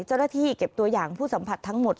เจ้าหน้าที่เก็บตัวอย่างผู้สัมผัสทั้งหมด